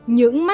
những mấy đứa